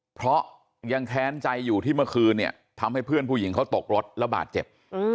เพราะยังแค้นใจอยู่ที่เมื่อคืนเนี่ยทำให้เพื่อนผู้หญิงเขาตกรถแล้วบาดเจ็บ